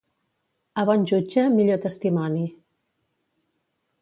A bon jutge, millor testimoni.